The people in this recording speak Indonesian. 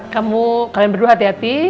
kamu kalian berdua hati hati